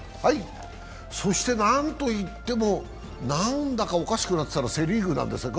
そして、何といってもなんだかおかしくなってるのがセ・リーグなんですよね。